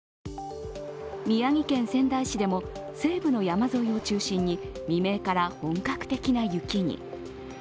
宮城県仙台市でも西部の山沿いを中心に未明から本格的な雪に。